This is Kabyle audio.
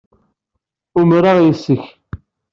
Umreɣ yes-k.